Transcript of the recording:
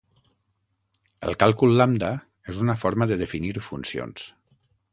El Càlcul lambda és una forma de definir funcions.